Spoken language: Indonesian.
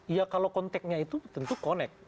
ya kalau konteknya itu tentu connect